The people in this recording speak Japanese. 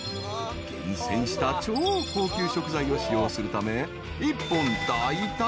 ［厳選した超高級食材を使用するため］